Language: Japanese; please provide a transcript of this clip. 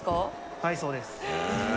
はいそうです。